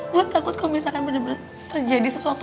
gue takut kalo bener bener terjadi sesuatu